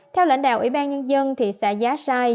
theo lãnh đạo ủy ban nhân dân thị xã giá sai